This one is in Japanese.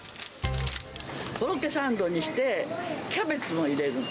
コロッケサンドにして、キャベツも入れるの。